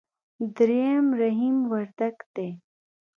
درېم رحيم وردګ دی.